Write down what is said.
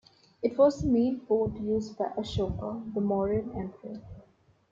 It was the main port used by Ashoka, the Mauryan emperor.